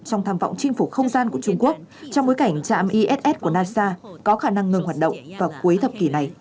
trong tham vọng chinh phục không gian của trung quốc trong bối cảnh trạm iss của nasa có khả năng ngừng hoạt động vào cuối thập kỷ này